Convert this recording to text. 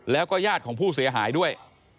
แล้วก็ญาติของผู้เสียหายด้วย